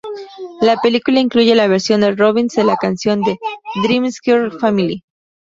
La película incluye la versión de Robinson de la canción de "Dreamgirls" "Family".